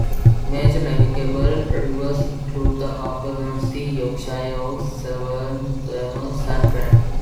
Major navigable rivers include the Humber, Mersey, Yorkshire Ouse, Severn, Thames and Trent.